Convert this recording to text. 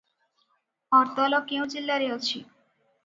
ଅର୍ତଲ କେଉଁ ଜିଲ୍ଲାରେ ଅଛି?